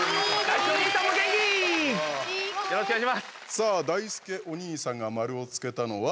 さあ、だいすけお兄さんが丸をつけたのは？